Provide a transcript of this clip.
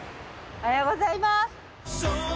おはようございます。